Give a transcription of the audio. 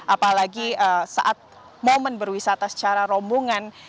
apalagi saat momen berwisata secara rombongan